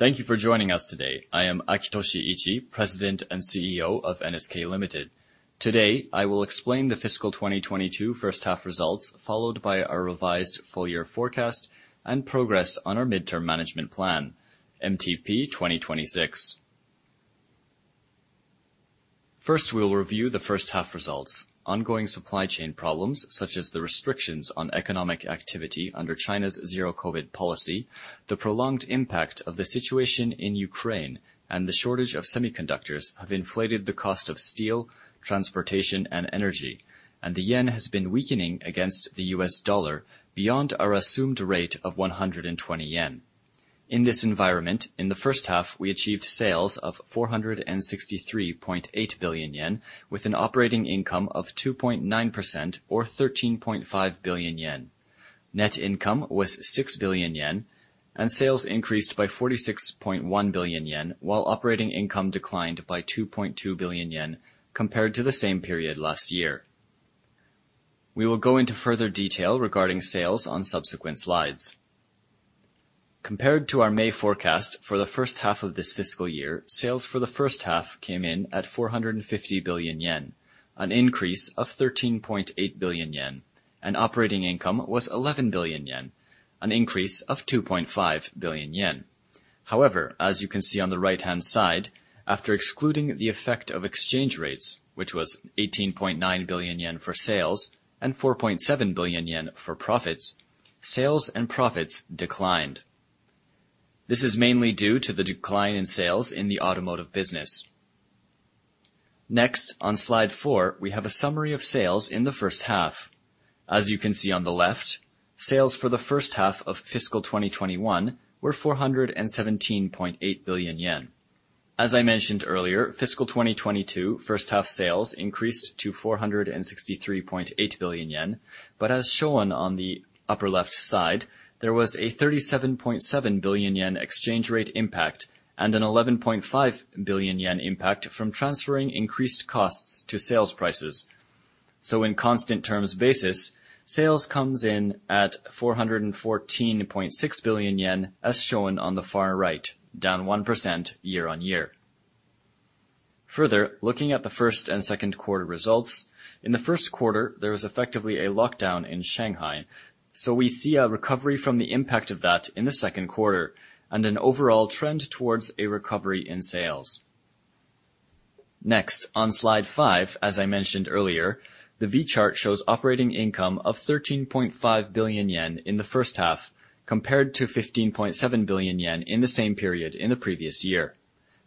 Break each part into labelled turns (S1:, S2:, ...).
S1: Thank you for joining us today. I am Akitoshi Ichii, President and CEO of NSK Ltd. Today, I will explain the fiscal 2022 first half results, followed by our revised full-year forecast and progress on our mid-term management plan, MTP2026. First, we'll review the first half results. Ongoing supply chain problems such as the restrictions on economic activity under China's zero-COVID policy, the prolonged impact of the situation in Ukraine, and the shortage of semiconductors have inflated the cost of steel, transportation, and energy, and the yen has been weakening against the US dollar beyond our assumed rate of 120 yen. In this environment, in the first half, we achieved sales of 463.8 billion yen, with an operating income of 2.9% or 13.5 billion yen. Net income was 6 billion yen, and sales increased by 46.1 billion yen, while operating income declined by 2.2 billion yen compared to the same period last year. We will go into further detail regarding sales on subsequent slides. Compared to our May forecast for the first half of this fiscal year, sales for the first half came in at 450 billion yen, an increase of 13.8 billion yen, and operating income was 11 billion yen, an increase of 2.5 billion yen. However, as you can see on the right-hand side, after excluding the effect of exchange rates, which was 18.9 billion yen for sales and 4.7 billion yen for profits, sales and profits declined. This is mainly due to the decline in sales in the automotive business. Next, on slide four, we have a summary of sales in the first half. As you can see on the left, sales for the first half of fiscal 2021 were 417.8 billion yen. As I mentioned earlier, fiscal 2022 first half sales increased to 463.8 billion yen. But as shown on the upper left side, there was a 37.7 billion yen exchange rate impact and a 11.5 billion yen impact from transferring increased costs to sales prices. In constant terms basis, sales comes in at 414.6 billion yen, as shown on the far right, down 1% year-on-year. Further, looking at the first and second quarter results, in the first quarter, there was effectively a lockdown in Shanghai. We see a recovery from the impact of that in the second quarter and an overall trend towards a recovery in sales. Next, on slide five, as I mentioned earlier, the V-chart shows operating income of 13.5 billion yen in the first half compared to 15.7 billion yen in the same period in the previous year,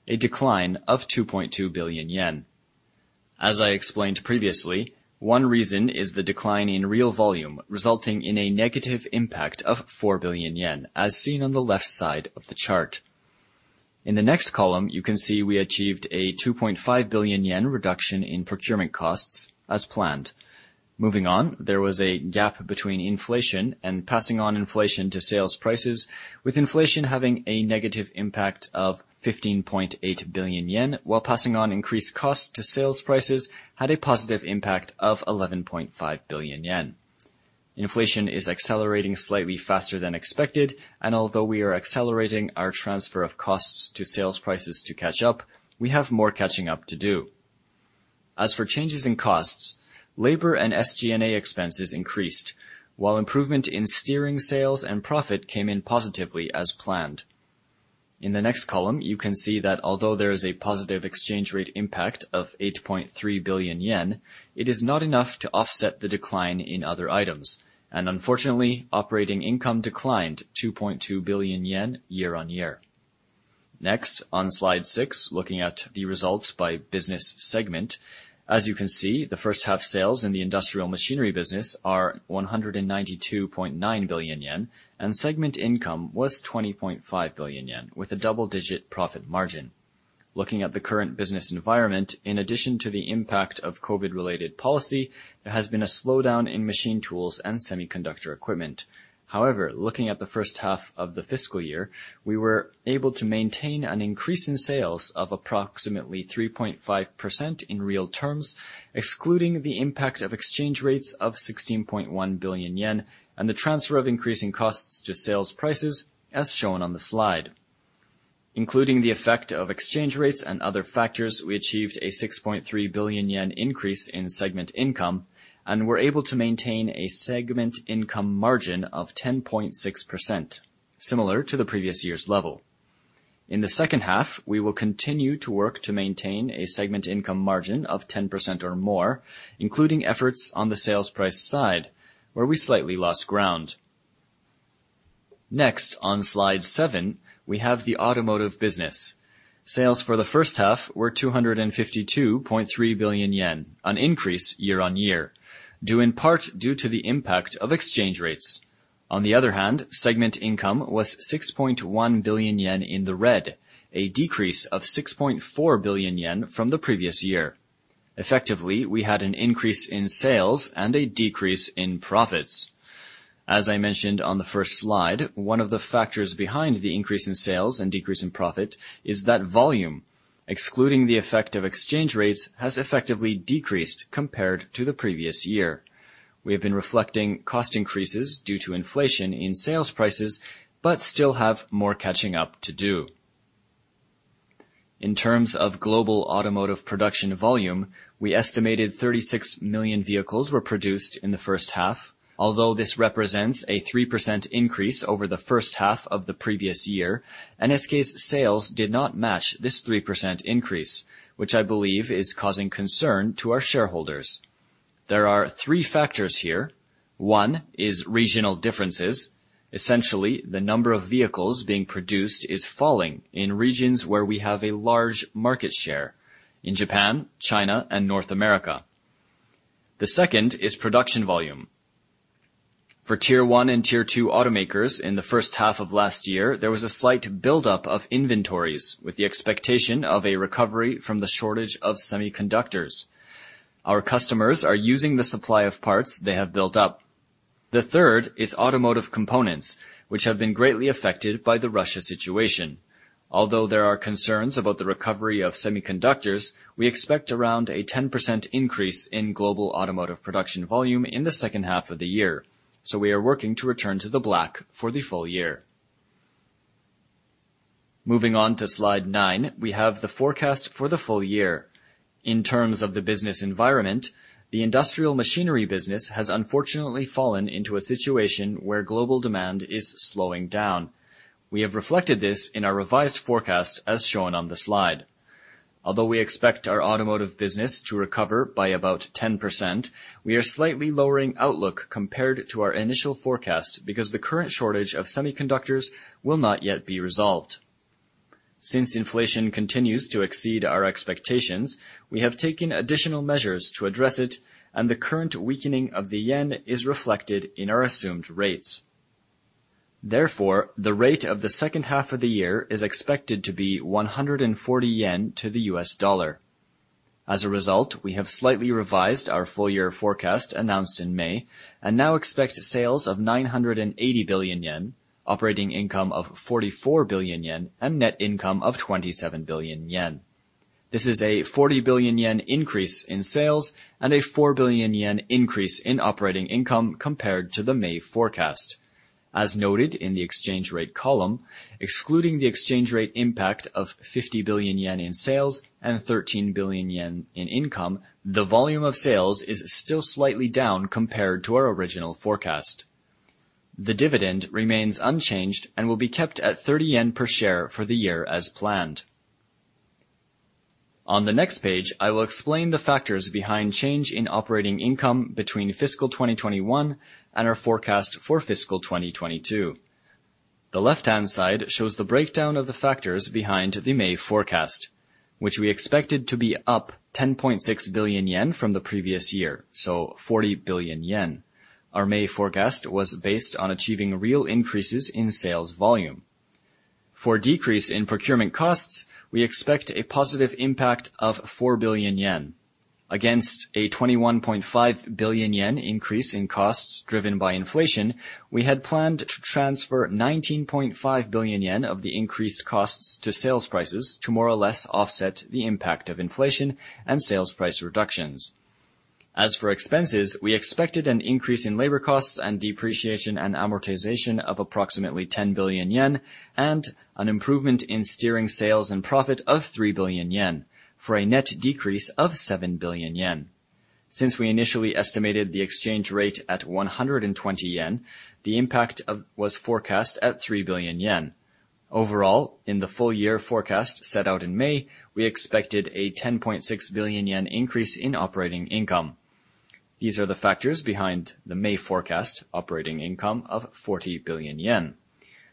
S1: a decline of 2.2 billion yen. As I explained previously, one reason is the decline in real volume, resulting in a negative impact of 4 billion yen, as seen on the left side of the chart. In the next column, you can see we achieved a 2.5 billion yen reduction in procurement costs as planned. Moving on. There was a gap between inflation and passing on inflation to sales prices, with inflation having a negative impact of 15.8 billion yen, while passing on increased costs to sales prices had a positive impact of 11.5 billion yen. Inflation is accelerating slightly faster than expected, and although we are accelerating our transfer of costs to sales prices to catch up, we have more catching up to do. As for changes in costs, labor and SG&A expenses increased while improvement in steering sales and profit came in positively as planned. In the next column, you can see that although there is a positive exchange rate impact of 8.3 billion yen, it is not enough to offset the decline in other items. Unfortunately, operating income declined 2.2 billion yen year-on-year. Next, on slide six, looking at the results by business segment. As you can see, the first half sales in the industrial machinery business are 192.9 billion yen, and segment income was 20.5 billion yen with a double-digit profit margin. Looking at the current business environment, in addition to the impact of COVID-related policy, there has been a slowdown in machine tools and semiconductor equipment. However, looking at the first half of the fiscal year, we were able to maintain an increase in sales of approximately 3.5% in real terms, excluding the impact of exchange rates of 16.1 billion yen and the transfer of increasing costs to sales prices as shown on the slide. Including the effect of exchange rates and other factors, we achieved a 6.3 billion yen increase in segment income and were able to maintain a segment income margin of 10.6%, similar to the previous year's level. In the second half, we will continue to work to maintain a segment income margin of 10% or more, including efforts on the sales price side, where we slightly lost ground. Next on slide seven, we have the automotive business. Sales for the first half were 252.3 billion yen, an increase year-on-year, due in part to the impact of exchange rates. On the other hand, segment income was 6.1 billion yen in the red, a decrease of 6.4 billion yen from the previous year. Effectively, we had an increase in sales and a decrease in profits. As I mentioned on the first slide, one of the factors behind the increase in sales and decrease in profit is that volume, excluding the effect of exchange rates, has effectively decreased compared to the previous year. We have been reflecting cost increases due to inflation in sales prices, but still have more catching up to do. In terms of global automotive production volume, we estimated 36 million vehicles were produced in the first half. Although this represents a 3% increase over the first half of the previous year, NSK's sales did not match this 3% increase, which I believe is causing concern to our shareholders. There are three factors here. One is regional differences. Essentially, the number of vehicles being produced is falling in regions where we have a large market share in Japan, China and North America. The second is production volume. For tier one and tier two automakers in the first half of last year, there was a slight buildup of inventories with the expectation of a recovery from the shortage of semiconductors. Our customers are using the supply of parts they have built up. The third is automotive components, which have been greatly affected by the Russia situation. Although there are concerns about the recovery of semiconductors, we expect around a 10% increase in global automotive production volume in the second half of the year. We are working to return to the black for the full-year. Moving on to slide nine, we have the forecast for the full-year. In terms of the business environment, the industrial machinery business has unfortunately fallen into a situation where global demand is slowing down. We have reflected this in our revised forecast as shown on the slide. Although we expect our automotive business to recover by about 10%, we are slightly lowering outlook compared to our initial forecast because the current shortage of semiconductors will not yet be resolved. Since inflation continues to exceed our expectations, we have taken additional measures to address it, and the current weakening of the yen is reflected in our assumed rates. Therefore, the rate of the second half of the year is expected to be 140 yen to the US dollar. As a result, we have slightly revised our full-year forecast announced in May and now expect sales of 980 billion yen, operating income of 44 billion yen, and net income of 27 billion yen. This is a 40 billion yen increase in sales and a 4 billion yen increase in operating income compared to the May forecast. As noted in the exchange rate column, excluding the exchange rate impact of 50 billion yen in sales and 13 billion yen in income, the volume of sales is still slightly down compared to our original forecast. The dividend remains unchanged and will be kept at 30 yen per share for the year as planned. On the next page, I will explain the factors behind change in operating income between fiscal 2021 and our forecast for fiscal 2022. The left-hand side shows the breakdown of the factors behind the May forecast, which we expected to be up 10.6 billion yen from the previous year, so 40 billion yen. Our May forecast was based on achieving real increases in sales volume. For decrease in procurement costs, we expect a positive impact of 4 billion yen against a 21.5 billion yen increase in costs driven by inflation. We had planned to transfer 19.5 billion yen of the increased costs to sales prices to more or less offset the impact of inflation and sales price reductions. As for expenses, we expected an increase in labor costs and depreciation and amortization of approximately 10 billion yen and an improvement in steering sales and profit of 3 billion yen for a net decrease of 7 billion yen. Since we initially estimated the exchange rate at 120 yen, the impact was forecast at 3 billion yen. Overall, in the full-year forecast set out in May, we expected a 10.6 billion yen increase in operating income. These are the factors behind the May forecast operating income of 40 billion yen.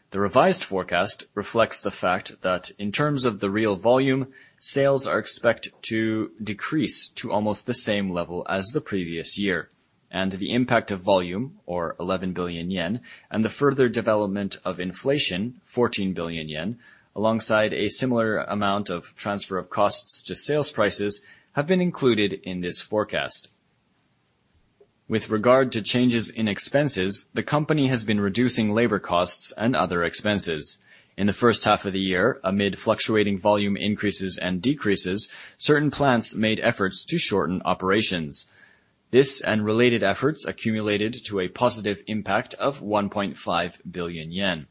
S1: The revised forecast reflects the fact that in terms of the real volume, sales are expected to decrease to almost the same level as the previous year, and the impact of volume or 11 billion yen and the further development of inflation, 14 billion yen, alongside a similar amount of transfer of costs to sales prices, have been included in this forecast. With regard to changes in expenses, the company has been reducing labor costs and other expenses. In the first half of the year, amid fluctuating volume increases and decreases, certain plants made efforts to shorten operations. This and related efforts accumulated to a positive impact of 1.5 billion yen.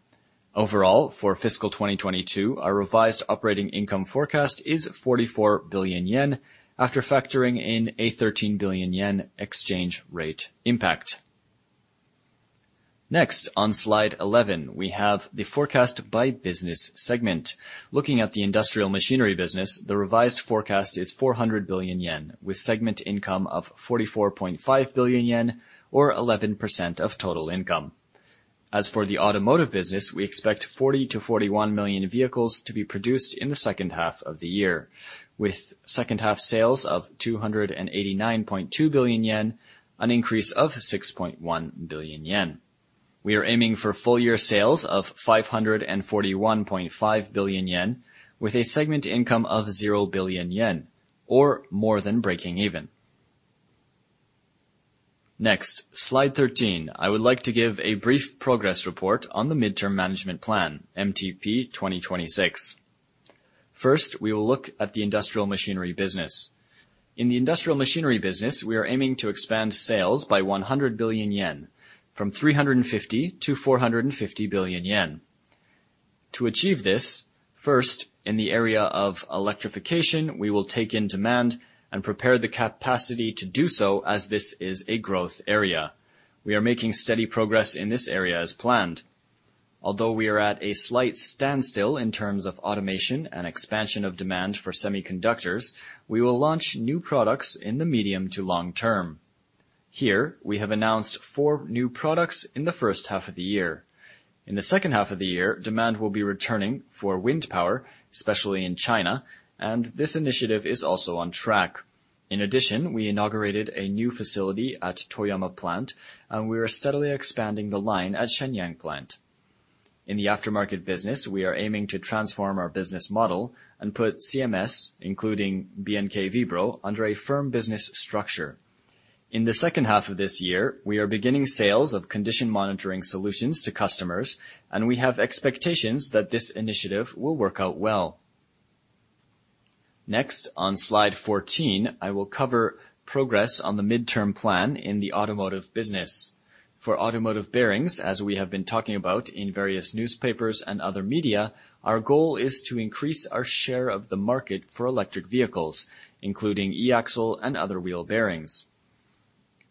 S1: Overall, for fiscal 2022, our revised operating income forecast is 44 billion yen after factoring in a 13 billion yen exchange rate impact. Next, on slide 11, we have the forecast by business segment. Looking at the industrial machinery business, the revised forecast is 400 billion yen, with segment income of 44.5 billion yen or 11% of total income. As for the automotive business, we expect 40-41 million vehicles to be produced in the second half of the year, with second half sales of 289.2 billion yen, an increase of 6.1 billion yen. We are aiming for full-year sales of 541.5 billion yen, with a segment income of 0 billion yen or more than breaking even. Next, slide 13. I would like to give a brief progress report on the mid-term management plan, MTP2026. First, we will look at the industrial machinery business. In the industrial machinery business, we are aiming to expand sales by 100 billion yen from 350 billion to 450 billion yen. To achieve this, first, in the area of electrification, we will take in demand and prepare the capacity to do so as this is a growth area. We are making steady progress in this area as planned. Although we are at a slight standstill in terms of automation and expansion of demand for semiconductors, we will launch new products in the medium to long term. Here, we have announced four new products in the first half of the year. In the second half of the year, demand will be returning for wind power, especially in China, and this initiative is also on track. In addition, we inaugurated a new facility at Toyama Plant, and we are steadily expanding the line at Shenyang Plant. In the aftermarket business, we are aiming to transform our business model and put CMS, including B&K Vibro, under a firm business structure. In the second half of this year, we are beginning sales of condition monitoring solutions to customers, and we have expectations that this initiative will work out well. Next, on slide 14, I will cover progress on the midterm plan in the automotive business. For automotive bearings, as we have been talking about in various newspapers and other media, our goal is to increase our share of the market for electric vehicles, including e-axle and other wheel bearings.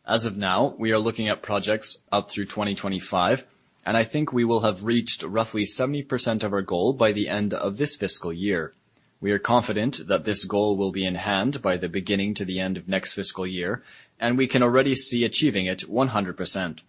S1: As of now, we are looking at projects up through 2025, and I think we will have reached roughly 70% of our goal by the end of this fiscal year. We are confident that this goal will be in hand by the beginning to the end of next fiscal year, and we can already see achieving it 100%.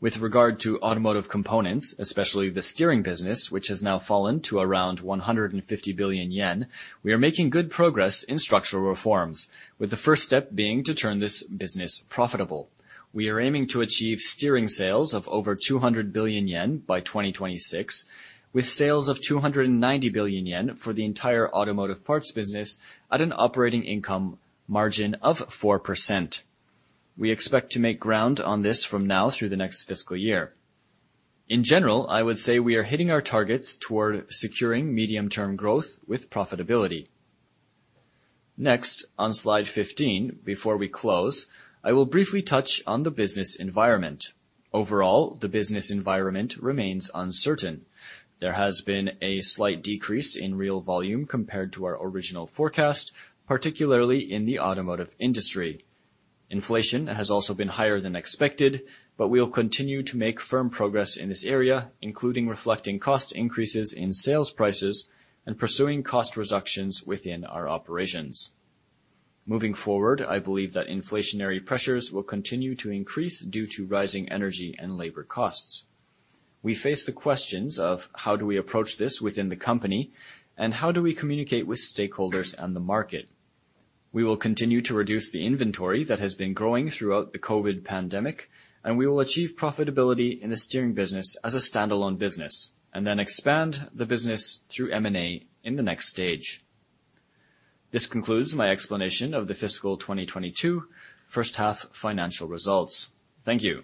S1: With regard to automotive components, especially the steering business, which has now fallen to around 150 billion yen, we are making good progress in structural reforms, with the first step being to turn this business profitable. We are aiming to achieve steering sales of over 200 billion yen by 2026, with sales of 290 billion yen for the entire automotive parts business at an operating income margin of 4%. We expect to make ground on this from now through the next fiscal year. In general, I would say we are hitting our targets toward securing medium-term growth with profitability. Next, on slide 15, before we close, I will briefly touch on the business environment. Overall, the business environment remains uncertain. There has been a slight decrease in real volume compared to our original forecast, particularly in the automotive industry. Inflation has also been higher than expected, but we will continue to make firm progress in this area, including reflecting cost increases in sales prices and pursuing cost reductions within our operations. Moving forward, I believe that inflationary pressures will continue to increase due to rising energy and labor costs. We face the questions of how do we approach this within the company and how do we communicate with stakeholders and the market? We will continue to reduce the inventory that has been growing throughout the COVID pandemic, and we will achieve profitability in the steering business as a standalone business, and then expand the business through M&A in the next stage. This concludes my explanation of the fiscal 2022 first half financial results. Thank you.